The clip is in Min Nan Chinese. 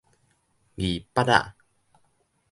二叭仔